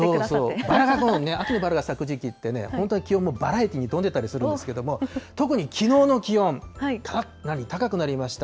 秋のバラが咲く時期って、本当に気温もバラエティーに飛んでたりするんですけれども、特にきのうの気温、高くなりました。